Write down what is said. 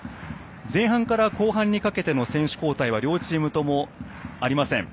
前半から後半にかけての選手交代は両チームともありません。